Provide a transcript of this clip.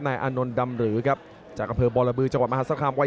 อานนท์ดำหรือครับจากอำเภอบรบือจังหวัดมหาศาลคามวัย